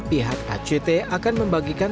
pihak act akan membagikan